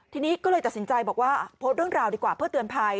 ทีนี้ก็เลยตัดสินใจบอกว่าโพสต์เรื่องราวดีกว่าเพื่อเตือนภัย